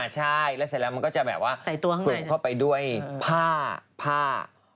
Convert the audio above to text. ใช่แล้วเสร็จแล้วมันก็จะแบบว่าปลูกเข้าไปด้วยผ้าผ้า